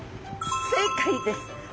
正解です。